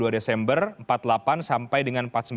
dua desember empat puluh delapan sampai dengan empat puluh sembilan